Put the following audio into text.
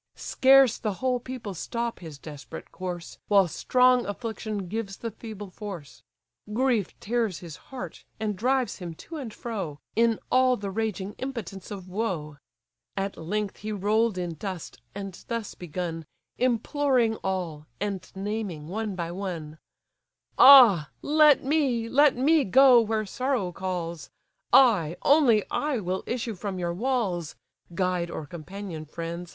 Scarce the whole people stop his desperate course, While strong affliction gives the feeble force: Grief tears his heart, and drives him to and fro, In all the raging impotence of woe. At length he roll'd in dust, and thus begun, Imploring all, and naming one by one: "Ah! let me, let me go where sorrow calls; I, only I, will issue from your walls (Guide or companion, friends!